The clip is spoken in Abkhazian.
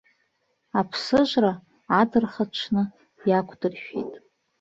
Аԥсыжра адырхаҽны иақәдыршәеит.